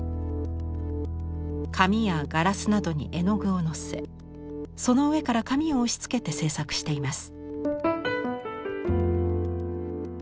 紙やガラスなどに絵の具をのせその上から紙を押しつけて制作しています。